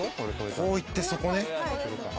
こういってそこね。